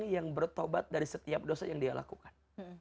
yang bertobat dari setiap dosa yang dia lakukan